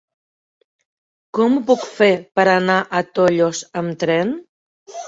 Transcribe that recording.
Com ho puc fer per anar a Tollos amb tren?